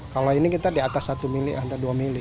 kalau ini kita di atas satu mili antara dua mili